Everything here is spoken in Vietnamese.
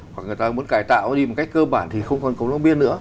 hoặc người ta muốn cài tạo nó đi mà cách cơ bản thì không còn cầu long biên nữa